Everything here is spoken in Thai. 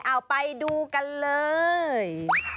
เอาไปดูกันเลย